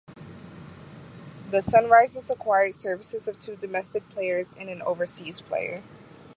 The Sunrisers acquired services of two domestic players and an overseas player.